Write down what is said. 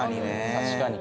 確かに。